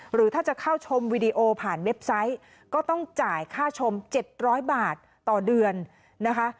หรือถ้าจะเข้าชมวิดีโอผ่านเว็บไซต์ก็ต้องจ่ายค่าชม๗๐๐บาทต่อเดือนนะคะ